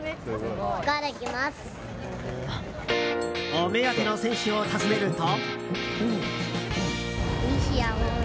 お目当ての選手を尋ねると。